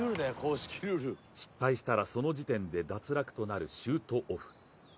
失敗したら、その時点で脱落となるシュートオフ。